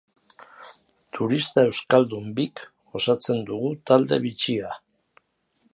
Turista euskaldun bik osatzen dugu talde bitxia.